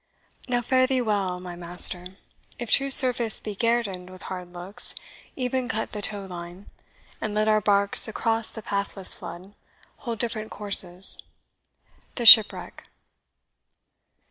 Now fare thee well, my master if true service Be guerdon'd with hard looks, e'en cut the tow line, And let our barks across the pathless flood Hold different courses THE SHIPWRECK.